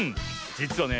じつはね